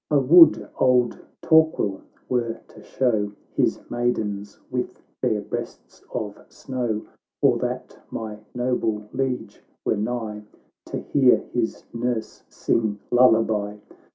I would old Torquil were to show His Maidens with their breasts of snow, Or that my noble Liege were nigh To hear his Nurse sing lullaby